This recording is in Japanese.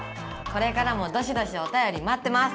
これからもどしどしおたよりまってます！